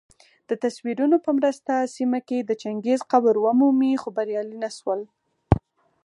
دتصویرونو په مرسته سیمه کي د چنګیز قبر ومومي خو بریالي نه سول